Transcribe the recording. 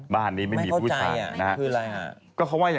บ้านนี้เป็นไม่มีผู้ชาย